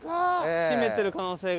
閉めてる可能性が。